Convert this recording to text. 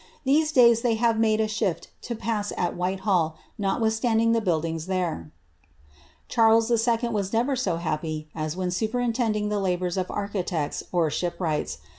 These days they have nmdc a ^hifl to ])a^8 at Whitehall, notwithstanding the buildings there."^' Cliark's 11. was never so happy as when superintending the labours of archiiccls or shipwrights.